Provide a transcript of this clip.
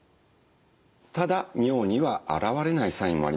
ただ尿には現れないサインもあります。